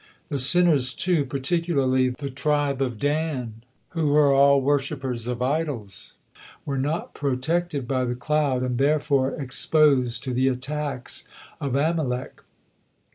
The sinners, too, particularly the tribe of Dan, who were all worshippers of idols, were not protected by the cloud, and therefore exposed to the attacks of Amalek.